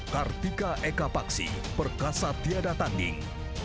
kartika eka paksi perkasa tiada tanding